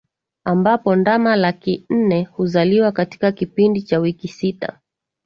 ambapo ndama laki nne huzaliwa katika kipindi cha wiki sita